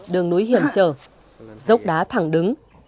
đường núi hiểm trở dốc đá thẳng đứng